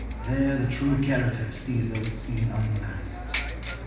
There the true character of Caesar was seen unmasked.